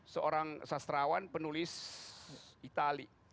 seorang sastrawan penulis itali